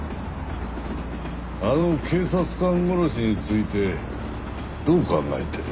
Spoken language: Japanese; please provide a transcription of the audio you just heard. あの警察官殺しについてどう考えてる？